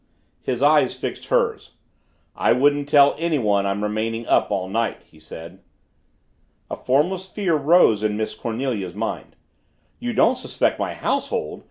His eyes fixed hers. "I wouldn't tell anyone I'm remaining up all night," he said. A formless fear rose in Miss Cornelia's mind. "You don't suspect my household?"